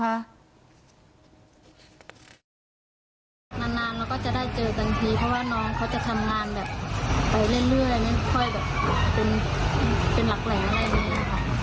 นานเราก็จะได้เจอกันทีเพราะว่าน้องเขาจะทำงานแบบไปเรื่อยเป็นหลักแหล่งอะไรแบบนี้นะคะ